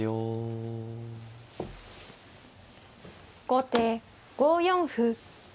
後手５四歩。